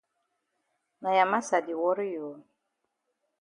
Na ya massa di worry you?